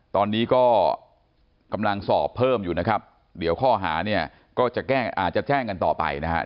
ตอนนี้ก็กำลังสอบเพิ่มอยู่นะครับเดี๋ยวข้อหาเนี่ยก็จะแจ้งกันต่อไปนะครับ